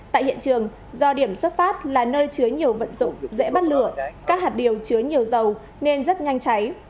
tại hiện trường do điểm xuất phát là nơi chứa nhiều vận dụng dễ bắt lửa các hạt điều chứa nhiều dầu nên rất nhanh cháy